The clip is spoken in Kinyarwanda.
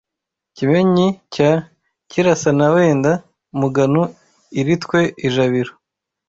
Kimenyi cya Kirasana Wenda Mugano iritwe ijabiro